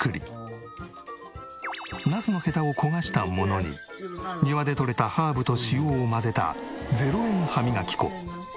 ナスのヘタを焦がしたものに庭でとれたハーブと塩を混ぜた０円歯磨き粉。